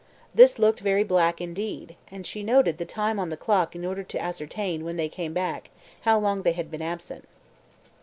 This looked very black indeed, and she noted the time on the clock in order to ascertain, when they came back, how long they had been absent.